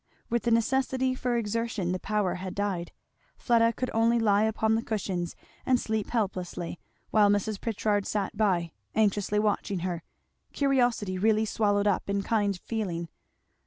With the necessity for exertion the power had died. Fleda could only lie upon the cushions, and sleep helplessly, while Mrs. Pritchard sat by, anxiously watching her; curiosity really swallowed up in kind feeling.